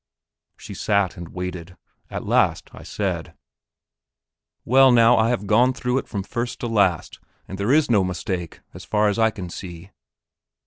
She sat and waited. At last I said: "Well, now, I have gone through it from first to last, and there is no mistake, as far as I can see."